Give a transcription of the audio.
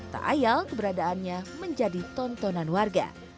tak ayal keberadaannya menjadi tontonan warga